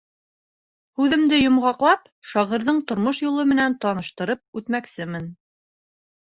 Һүҙемде йомғаҡлап, шағирҙың тормош юлы менән таныштырып үтмәксемен.